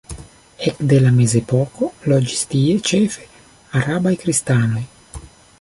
Ekde la mezepoko loĝis tie ĉefe arabaj kristanoj.